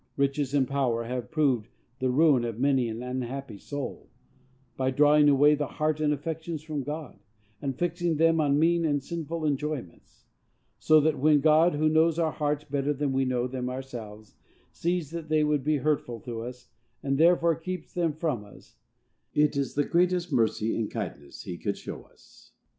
Riches and power have proved the ruin of many an unhappy soul, by drawing away the heart and affections from God, and fixing them on mean and sinful enjoyments; so that, when God, who knows our hearts better than we know them ourselves, sees that they would be hurtful to us, and therefore keeps them from us, it is the greatest mercy and kindness he could show us.